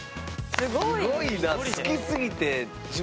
すごいな。